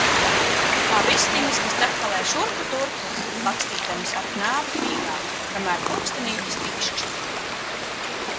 Kā vistiņas, kas tekalē šurpu turpu, bakstīdamas ar knābi grīdā, kamēr pulkstenītis tikšķ.